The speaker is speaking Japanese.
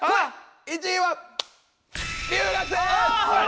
１位は⁉留学生！